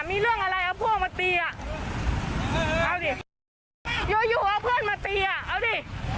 มีเรื่องอะไรเอาพวกมาตีอ่ะเอาดิอยู่อยู่เอาเพื่อนมาตีอ่ะเอาดิ